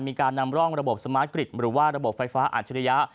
มีการนำร่องระบบสมาร์ทกริตหรือว่าระบบไฟฟ้าอัจฉริยะ